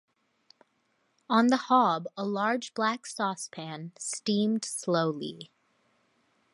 On the hob a large black saucepan steamed slowly.